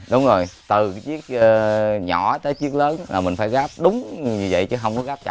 ừ đúng rồi từ chiếc nhỏ tới chiếc lớn mình phải gáp đúng như vậy chứ không có gáp chặt